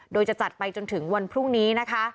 โดยจะจัดไปจนถึงวันพรุ่งนี้นะคะ